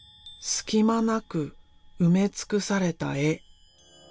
隙間なく埋め尽くされた絵。